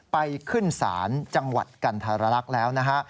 ไปขึ้นศาลจังหวัดกันทรลักษณ์แล้วนะฮะ